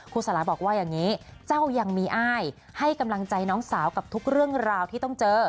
สลาบอกว่าอย่างนี้เจ้ายังมีอ้ายให้กำลังใจน้องสาวกับทุกเรื่องราวที่ต้องเจอ